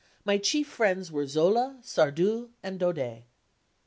My chief friends were Zola, Sardou and Daudet."